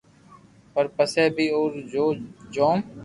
پر پسي بي اورو جو جوم